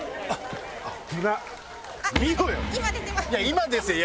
今です今。